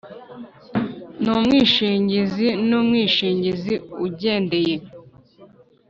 n umwishingizi n umwishingizi agendeye